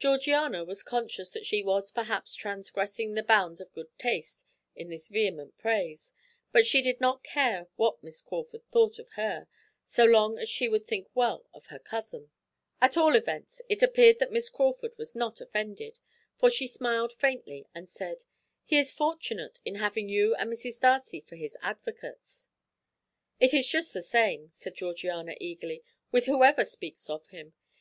Georgiana was conscious that she was perhaps transgressing the bounds of good taste in this vehement praise; but she did not care what Miss Crawford thought of her, so long as she would think well of her cousin. At all events it appeared that Miss Crawford was not offended, for she smiled faintly and said: "He is fortunate in having you and Mrs. Darcy for his advocates." "It is just the same," said Georgiana eagerly, "with whoever speaks of him.